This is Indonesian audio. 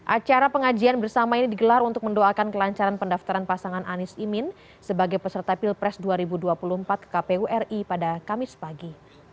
acara pengajian bersama ini digelar untuk mendoakan kelancaran pendaftaran pasangan anies imin sebagai peserta pilpres dua ribu dua puluh empat ke kpu ri pada kamis pagi